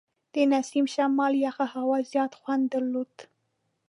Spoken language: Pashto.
د نسیم شمال یخه هوا زیات خوند درلود.